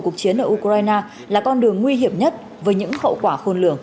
cuộc chiến ở ukraine là con đường nguy hiểm nhất với những hậu quả khôn lường